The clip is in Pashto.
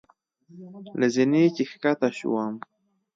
له زینې چې ښکته شوم.